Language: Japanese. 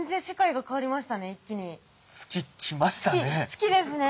月ですね。